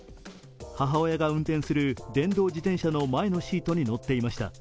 母親が運転する電動自転車の前のシートに乗っていました。